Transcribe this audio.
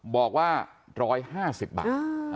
บอกว่า๑๕๐บาท